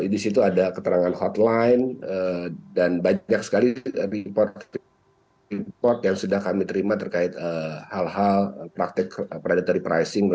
di situ ada keterangan hotline dan banyak sekali report yang sudah kami terima terkait hal hal praktik predatory pricing